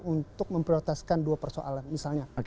untuk memprioritaskan dua persoalan misalnya